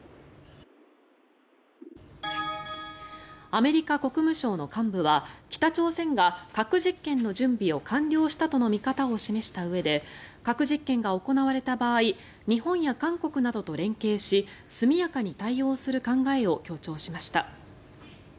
アメリカ国務省の幹部は北朝鮮が核実験の準備を完了したとの見方を示したうえで核実験が行われた場合日本や韓国などと連携し速やかに対応する考えを強調しました。